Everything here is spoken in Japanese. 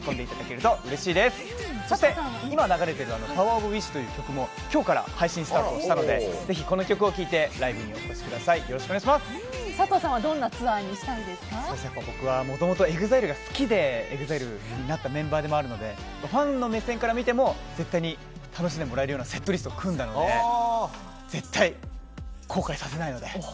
そして、今流れてる「ＰＯＷＥＲＯＦＷＩＳＨ」という曲も今日から配信スタートしたのでこの曲を聴いてライブにお越しください佐藤さん、どんなツアーに僕はもともとＥＸＩＬＥが好きでＥＸＩＬＥになったメンバーでもあるのでファンの目線から見ても絶対に楽しんでもらえるセットリストを組んだので絶対、後悔させないので。